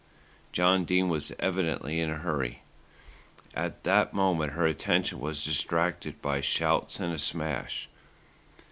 John Dene was evidently in a hurry. At that moment her attention was distracted by shouts and a smash.